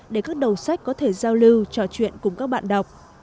để các đầu sách có thể giao lưu trò chuyện cùng các bạn đọc